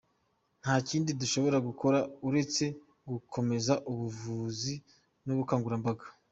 Nta kindi dushobora gukora uretse gukomeza ubuvugizi n’ubukangurambaga.